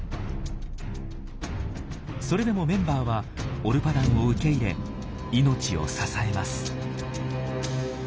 それでもメンバーはオルパダンを受け入れ命を支えます。